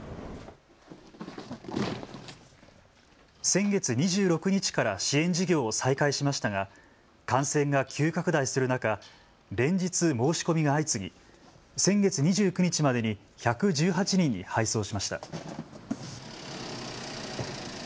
先月２６日から支援事業を再開しましたが感染が急拡大する中、連日、申し込みが相次ぎ先月２９日までに１１８人に配送しました。